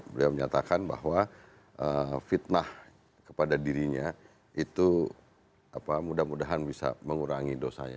beliau menyatakan bahwa fitnah kepada dirinya itu mudah mudahan bisa mengurangi dosanya